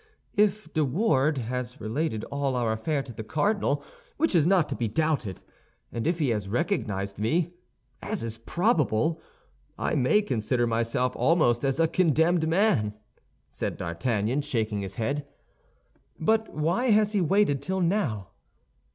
"If De Wardes has related all our affair to the cardinal, which is not to be doubted, and if he has recognized me, as is probable, I may consider myself almost as a condemned man," said D'Artagnan, shaking his head. "But why has he waited till now?